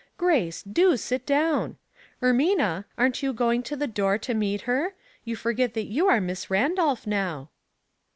Grace, do sit down. Ermina, aren't you going to the door to meet her ? You forget that you are Miss Randolph, now."